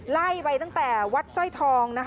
ไล่ไปตั้งแต่วัดช่อยทอง